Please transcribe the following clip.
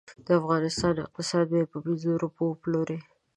د افغانستان اقتصاد به یې په پنځو روپو وپلوري.